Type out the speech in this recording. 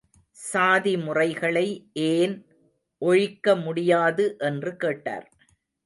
சாதிமுறைகளை ஏன் ஒழிக்க முடியாது என்று கேட்டார்.